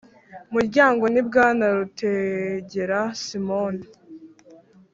Muryango ni bwana rutegera simon